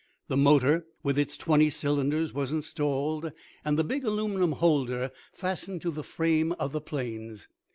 The motor, with its twenty cylinders, was installed, and the big aluminum holder fastened to the frame of the planes.